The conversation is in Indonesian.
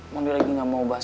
mami lagi gak mau bahas